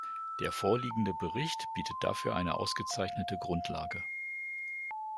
Der vorliegende Bericht bietet dafür eine ausgezeichnete Grundlage.